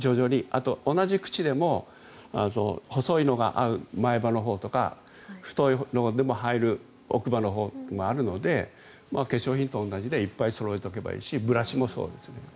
あとは同じ口でも細いのが合う前歯のほうとか太いのでも入る奥歯のほうがあるので化粧品と同じでいっぱいそろえておけばいいしブラシもそうですね。